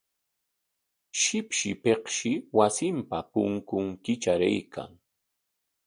Shipshipikshi wasinpa punkun kitraraykan.